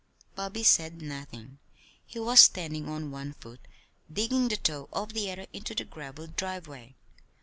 Bobby said nothing. He was standing on one foot, digging the toe of the other into the graveled driveway.